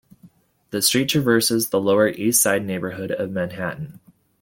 The street traverses the Lower East Side neighborhood of Manhattan.